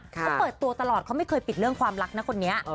เขาเปิดตัวตลอดเขาไม่เคยปิดเรื่องความรักนะคนนี้